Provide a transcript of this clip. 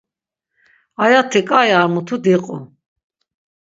Ayati ǩai ar mutu diqu.